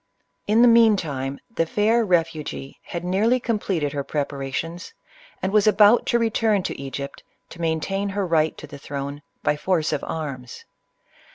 In the mean time, the fair refugee had nearly com pleted her preparations, and was about to return to Egypt to maintain her right to the throne by force of arms.